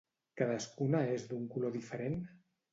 Cadascuna és d'un color diferent?